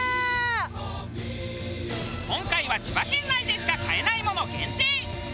今回は千葉県内でしか買えないもの限定！